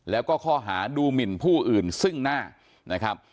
แล้วก็ข้อหาดูหมินผู้อื่นซึ่งหน้านะครับ